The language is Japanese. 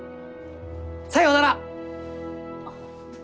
さようなら！